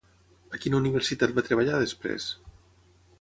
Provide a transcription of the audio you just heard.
A quina universitat va treballar després?